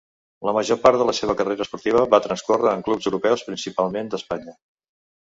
La major part de la seva carrera esportiva va transcórrer en clubs europeus, principalment d'Espanya.